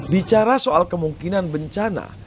bicara soal kemungkinan bencana